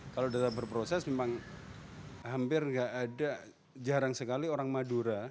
kalau data berproses memang hampir tidak ada jarang sekali orang madura